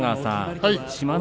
志摩ノ